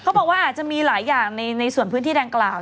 บอกว่าอาจจะมีหลายอย่างในส่วนพื้นที่ดังกล่าว